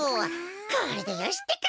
これでよしってか！